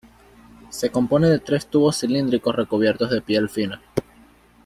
Se compone de tres tubos cilíndricos recubiertos de piel fina.